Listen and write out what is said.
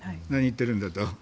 何を言ってるんだと。